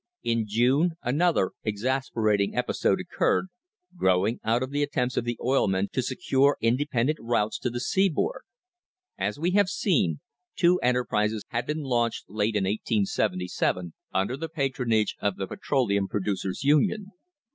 "* In June another exasperating episode occurred, growing out of the attempts of the oil men to secure independent routes to the seaboard. As we have seen, two enterprises had been launched late in 1877 under the patronage of the Petroleum Producers' Union.